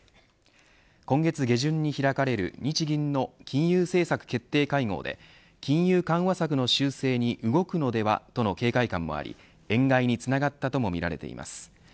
今月下旬に開かれる日銀の金融政策決定会合で金融緩和策の修正に動くのではとの警戒感もあり、円買いにつながったともみられています。